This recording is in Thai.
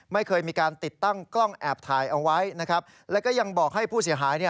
ไม่เคยมีการติดตั้งกล้องแอบถ่ายเอาไว้นะครับแล้วก็ยังบอกให้ผู้เสียหาย